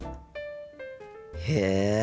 へえ。